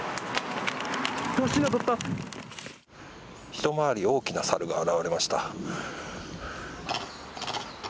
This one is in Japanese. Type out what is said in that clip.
ひと回り大きなサルが現れました。